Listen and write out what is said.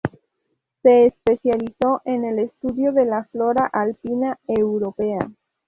Se especializó en el estudio de la flora alpina europea.